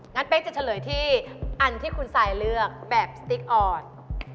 เป๊กจะเฉลยที่อันที่คุณซายเลือกแบบสติ๊กออน